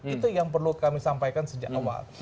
itu yang perlu kami sampaikan sejak awal